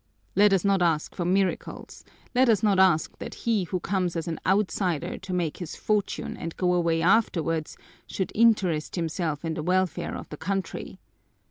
Let us not ask for miracles, let us not ask that he who comes as an outsider to make his fortune and go away afterwards should interest himself in the welfare of the country.